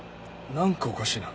何かおかしいな。